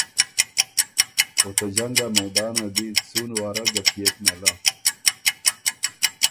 او ته جنګ ا میدانه دی څُون واره ګټيېک نېله۔